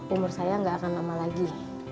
umur saya nggak akan lama lagi